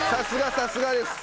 さすがです。